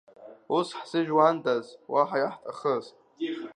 Ус ҳзыжәуандаз, уаҳа иаҳҭахыз.